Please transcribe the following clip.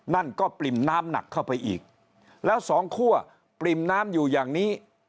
นั่นก็ปริ่มน้ำหนักเข้าไปอีกแล้วสองคั่วปริ่มน้ำอยู่อย่างนี้